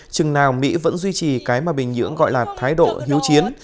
chừng nào mỹ vẫn duy trì cái mà bình nhưỡng gọi là thái độ hiếu chiến